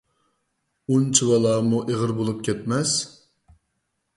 ئۇنچىۋالامۇ ئېغىر بولۇپ كەتمەس!